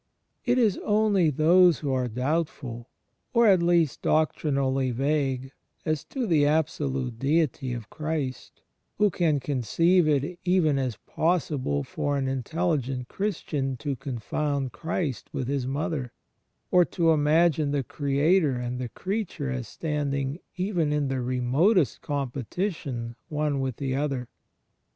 It is only those who are doubtful, or at least doctrinally vague, as to the absolute Deity of Christ, who can conceive it even as possible for an intelligent Christian to confoimd Christ with His Mother, or to imagine the Creator and the Creature as standing even in th^ remotest competition one with the other.